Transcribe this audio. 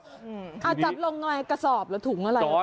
จับลงใหม่กระสอบแล้วถุงอะไร